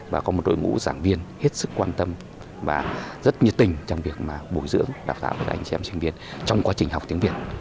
và có một đội ngũ giảng viên hết sức quan tâm và rất nhiệt tình trong việc bồi dưỡng đào tạo các anh chị em sinh viên trong quá trình học tiếng việt